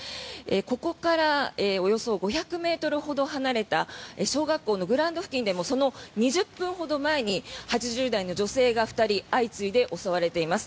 ここからおよそ５００ｍほど離れた小学校のグラウンド付近でもその２０分ほど前に８０代の女性が２人相次いで襲われています。